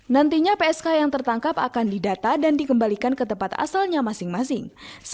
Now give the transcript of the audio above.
nantinya psk yang tertangkap akan didata dan dikembalikan ke tempat asalnya masing masing